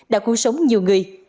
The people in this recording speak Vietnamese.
đã cứu sống nhiều người